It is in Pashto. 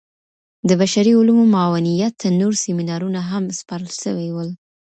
د بشري علومو معاونيت ته نور سيمينارونه هم سپارل سوي ول.